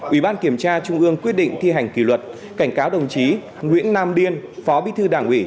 ủy ban kiểm tra trung ương quyết định thi hành kỷ luật cảnh cáo đồng chí nguyễn nam điên phó bí thư đảng ủy